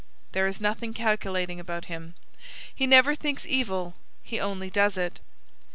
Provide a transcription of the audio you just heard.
There is nothing calculating about him. He never thinks evil, he only does it.